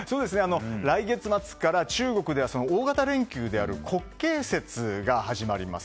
来月末から中国では大型連休となる国慶節が始まります。